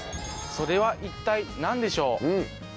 それは一体何でしょう？